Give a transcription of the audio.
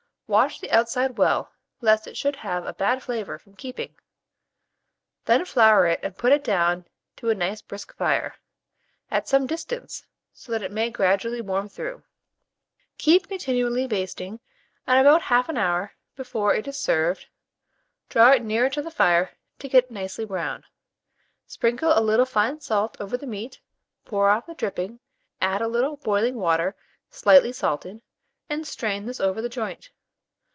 Wash the outside well, lest it should have a bad flavour from keeping; then flour it and put it down to a nice brisk fire, at some distance, so that it may gradually warm through. Keep continually basting, and about 1/2 hour before it is served, draw it nearer to the fire to get nicely brown. Sprinkle a little fine salt over the meat, pour off the dripping, add a little boiling water slightly salted, and strain this over the joint.